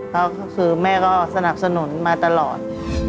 ก็คือแม่ก็สนับสนุนมาตลอด